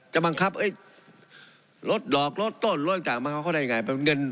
จะมังคับเอ้ยรถดอกรถต้นรถออกจากมังคับเขาได้ยังไง